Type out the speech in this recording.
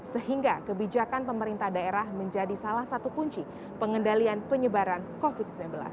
sehingga kebijakan pemerintah daerah menjadi salah satu kunci pengendalian penyebaran covid sembilan belas